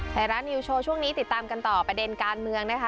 ไทยรัฐนิวโชว์ช่วงนี้ติดตามกันต่อประเด็นการเมืองนะคะ